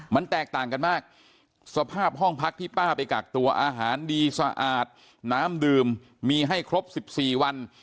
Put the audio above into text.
มันแตกต่างกันมากสภาพห้องพักที่ป้าไปกักตัวอาหารดีสะอาดน้ำดื่มมีให้ครบ๑๔วัน